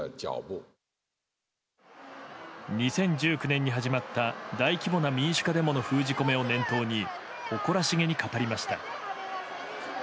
２０１９年に始まった大規模な民主化デモの封じ込めを念頭に誇らしげに語りました。